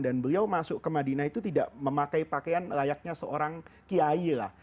dan beliau masuk ke madinah itu tidak memakai pakaian layaknya seorang kiai lah